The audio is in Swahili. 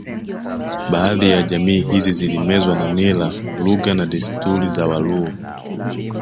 Baadhi ya jamii hizi zilimezwa na mila lugha na desturi za Waluo